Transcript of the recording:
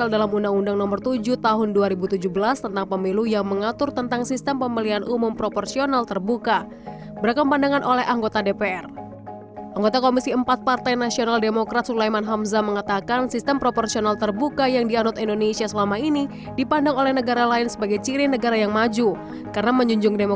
dari dpr sedangkan